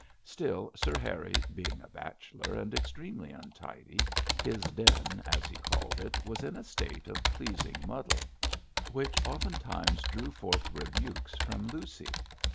Still, Sir Harry being a bachelor, and extremely untidy, his den, as he called it, was in a state of pleasing muddle, which oftentimes drew forth rebukes from Lucy.